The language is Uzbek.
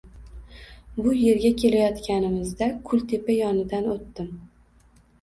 Bu erga kelayotganimizda, kultepa yonidan o`tdim